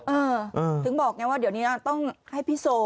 เออถึงบอกไงว่าเดี๋ยวนี้ต้องให้พี่โซ